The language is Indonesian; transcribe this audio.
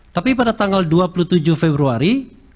tapi pada tanggal dua puluh tujuh februari